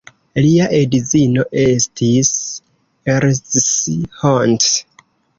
Lia edzino estis Erzsi Hont.